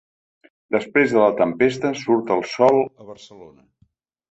Després de la tempesta, surt el sol a Barcelona.